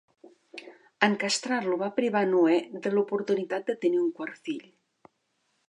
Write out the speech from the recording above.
En castrar-lo va privar a Noè de l'oportunitat de tenir un quart fill.